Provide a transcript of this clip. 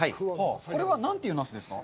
これは何というナスですか？